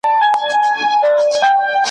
یو وخت ژمی وو او واوري اورېدلې `